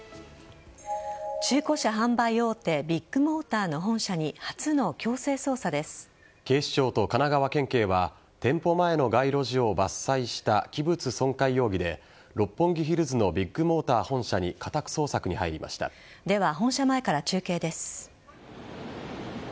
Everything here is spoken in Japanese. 中古車販売大手ビッグモーターの本社に警視庁と神奈川県警は店舗前の街路樹を伐採した器物損壊容疑で六本木ヒルズのビッグモーター本社にでは、本社前から中継です。